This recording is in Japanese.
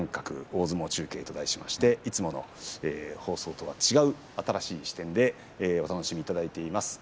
大相撲中継」と題しましていつもとは違う、新しい視点でお楽しみいただいています。